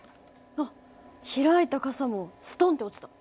あっ開いた傘もストンって落ちた。